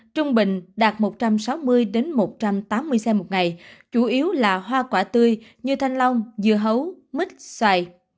trung bình đạt một trăm sáu mươi một trăm tám mươi xe một ngày chủ yếu là hoa quả tươi như thanh long dưa hấu mít xoài